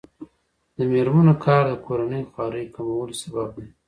د میرمنو کار د کورنۍ خوارۍ کمولو سبب دی.